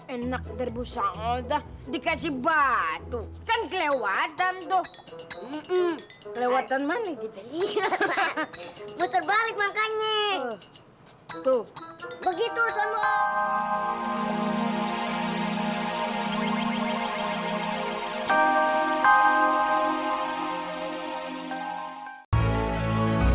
enak terbosong dah dikasih batu dan kelewatan tuh mm kelewatan mana gitu hahaha muter balik